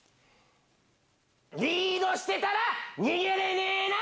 リードしてたら逃げれねえな。